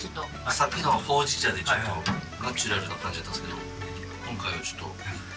さっきのはほうじ茶でちょっとナチュラルな感じやったんですけど今回はちょっと。